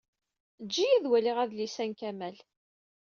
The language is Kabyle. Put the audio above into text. Ejj-iyi ad waliɣ adlis-a n Kamal.